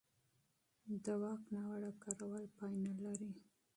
د واک ناوړه کارول پای نه لري